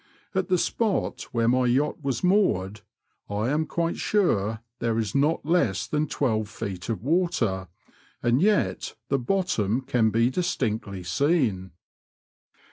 At the spot where my yacht was moored I am quite sure there is not less than twelve feet of water, and yet the bottom can be distinctly seen.